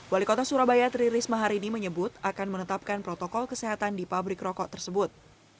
wali kota surabaya tri risma hari ini menyebut akan menetapkan protokol kesehatan di pabrik rokok tersebut